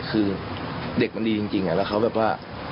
คือเด็กมันดีจริงแล้วเขาแบบว่า